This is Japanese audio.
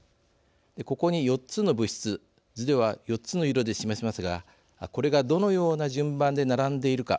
ここに４つの物質図では４つの色で示しますがこれがどのような順番で並んでいるか